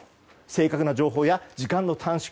正確な情報や時間の短縮